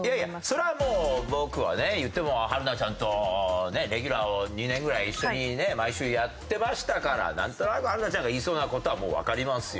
それはもう僕はねいっても春奈ちゃんとねレギュラーを２年ぐらい一緒にね毎週やってましたからなんとなく春奈ちゃんが言いそうな事はもうわかりますよ。